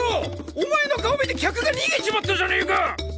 お前の顔見て客が逃げちまったじゃねか！